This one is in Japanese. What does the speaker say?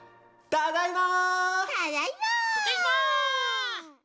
ただいま！